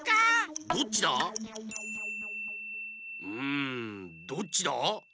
うんどっちだ？